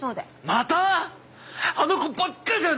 また⁉あの子ばっかりじゃん！